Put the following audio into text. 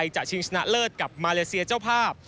ชิงชนะเลิศกับมาเลเซียเจ้าภาพ